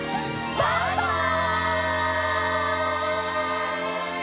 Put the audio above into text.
バイバイ！